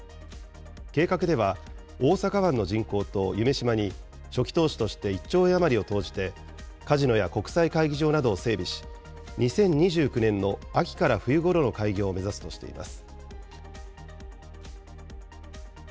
計画では、大阪湾の人工島、夢洲に、初期投資として１兆円余りを投じて、カジノや国際会議場などを整備し、２０２９年の秋から冬ごろの開業を目指すとしています。